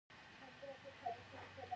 افغانستان د د افغانستان جلکو لپاره مشهور دی.